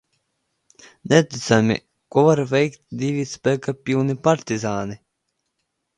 Neticami, ko var veikt divi spēka pilni partizāni.